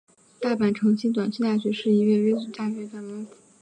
大阪成蹊短期大学是一所位于日本大阪府大阪市东淀川区的私立短期大学。